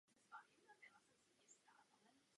Hlavním městem Francie je Paříž.